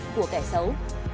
của kẻ xấu